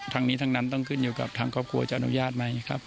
ทั้งนี้ทั้งนั้นต้องขึ้นอยู่กับทางครอบครัวจะอนุญาตไหมครับ